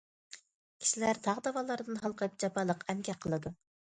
كىشىلەر تاغ- داۋانلاردىن ھالقىپ، جاپالىق ئەمگەك قىلىدۇ.